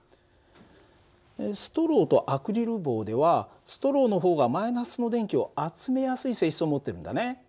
ストローとアクリル棒ではストローの方がの電気を集めやすい性質を持ってるんだね。